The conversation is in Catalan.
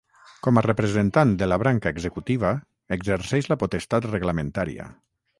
Com a representant de la branca executiva, exerceix la potestat reglamentària.